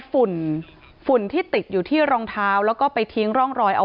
ฝุ่นฝุ่นที่ติดอยู่ที่รองเท้าแล้วก็ไปทิ้งร่องรอยเอา